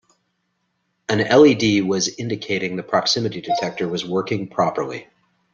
An LED was indicating the proximity detector was working properly.